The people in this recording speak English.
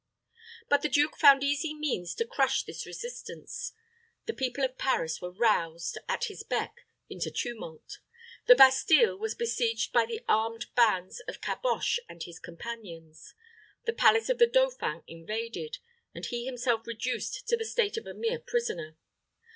But the duke found easy means to crush this resistance. The people of Paris were roused, at his beck, into tumult; the Bastile was besieged by the armed bands of Caboche and his companions, the palace of the dauphin invaded, and he himself reduced to the state of a mere prisoner.